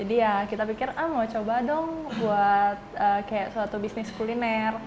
jadi ya kita pikir ah mau coba dong buat kayak suatu bisnis kuliner